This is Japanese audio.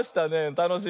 たのしいね。